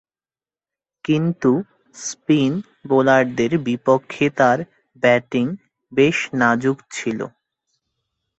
কিন্তু, স্পিন বোলারদের বিপক্ষে তার ব্যাটিং বেশ নাজুক ছিল।